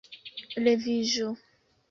Leviĝo!